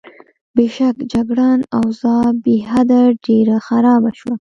بېشکه، جګړن: اوضاع بېحده ډېره خرابه شوه.